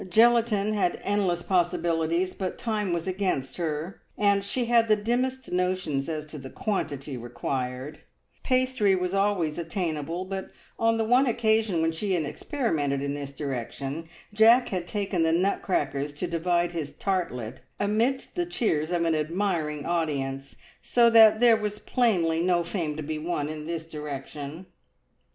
Gelatine had endless possibilities, but time was against her, and she had the dimmest notions as to the quantity required; pastry was always attainable, but on the one occasion when she had experimented in this direction, Jack had taken the nutcrackers to divide his tartlet amidst the cheers of an admiring audience, so that there was plainly no fame to be won in this direction.